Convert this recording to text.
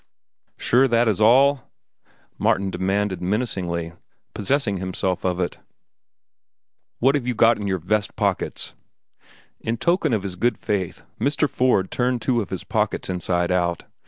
"Sure that is all?" Martin demanded menacingly, possessing himself of it. "What have you got in your vest pockets?" In token of his good faith, Mr. Ford turned two of his pockets inside out.